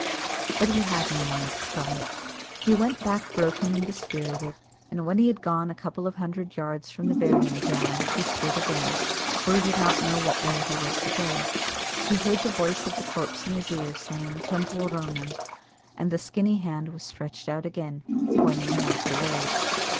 But he had no mind to try it. He went back broken and dispirited, and when he had gone a couple of hundred yards from the burying ground, he stood again, for he did not know what way he was to go. He heard the voice of the corpse in his ear, saying "Teampoll Ronan," and the skinny hand was stretched out again, pointing him out the road.